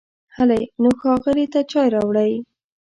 هلی نو، ښاغلي ته چای راوړئ!